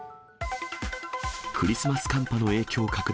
クリスマス寒波の影響拡大。